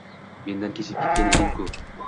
Mendan kechib ketgan eding-ku